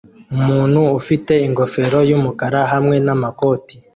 Umuntu ufite ingofero yumukara hamwe namakoti